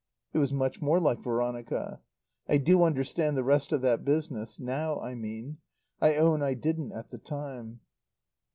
"It was much more like Veronica. I do understand the rest of that business. Now, I mean. I own I didn't at the time."